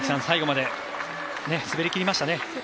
最後まで滑り切りましたね。